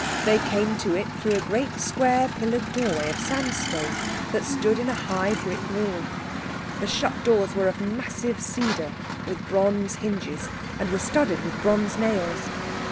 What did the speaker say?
They came to it through a great square pillared doorway of sandstone that stood in a high brick wall. The shut doors were of massive cedar, with bronze hinges, and were studded with bronze nails.